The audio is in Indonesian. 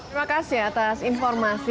terima kasih atas informasi